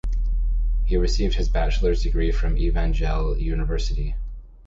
He received his bachelor’s degree from Evangel University.